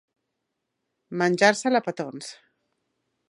Menjar-se'l a petons.